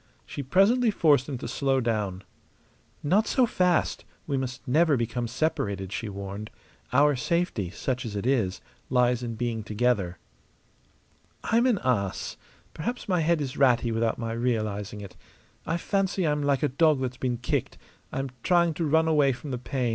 She presently forced him to slow down. "Not so fast! We must never become separated," she warned. "Our safety such as it is lies in being together." "I'm an ass. Perhaps my head is ratty without my realizing it. I fancy I'm like a dog that's been kicked; I'm trying to run away from the pain.